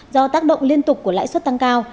do tác động liên tục của lãi suất tăng cao